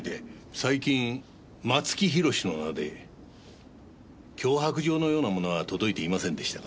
最近松木弘の名で脅迫状のようなものが届いていませんでしたか？